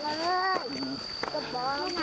มาใส่อีกนู่นทำไม